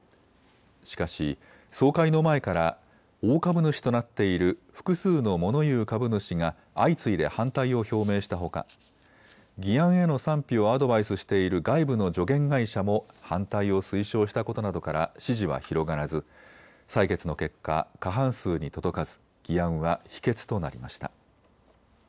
しかし総会の前から大株主となっている複数のモノ言う株主が相次いで反対を表明したほか議案への賛否をアドバイスしている外部の助言会社も反対を推奨したことなどから支持は広がらず採決の結果、過半数に届かず議案は否決となりました。